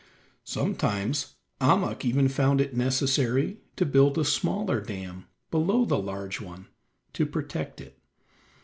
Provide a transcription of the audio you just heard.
Sometimes Ahmuk even found it necessary to build a smaller dam below the large one to protect it.